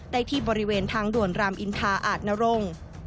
ได้ที่บริเวณทางด่วนรามอินทาอาจนรงค์